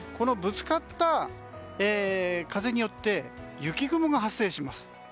ぶつかった風によって雪雲が発生します。